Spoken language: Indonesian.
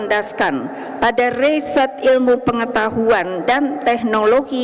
dan di dalam